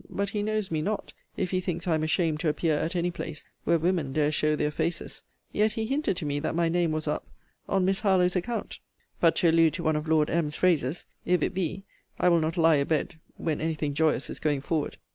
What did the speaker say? But he knows me not, if he thinks I am ashamed to appear at any place, where women dare show their faces. Yet he hinted to me that my name was up, on Miss Harlowe's account. But, to allude to one of Lord M.'s phrases, if it be, I will not lie a bed when any thing joyous is going forward.